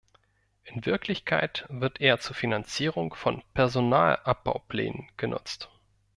In Wirklichkeit wird er zur Finanzierung von Personalabbauplänen genutzt.